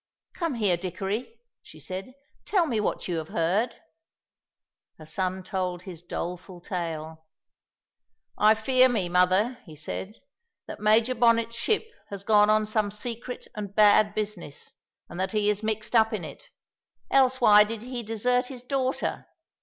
"Come here, Dickory," she said, "and tell me what you have heard?" Her son told his doleful tale. "I fear me, mother," he said, "that Major Bonnet's ship has gone on some secret and bad business, and that he is mixed up in it. Else why did he desert his daughter?